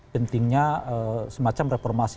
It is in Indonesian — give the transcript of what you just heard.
pentingnya semacam reformasi